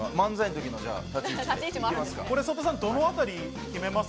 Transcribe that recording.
曽田さん、どのあたりに決めます？